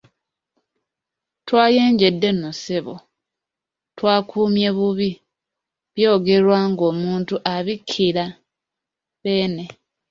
Twayenjedde nno ssebo twakuumye bubi ,byogerwa ng’omuntu abikira Beene.